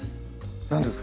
何ですか？